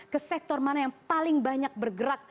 ke sektor mana yang paling banyak bergerak